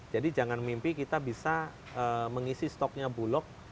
jadi jangan mimpi kita bisa mengisi stoknya bulog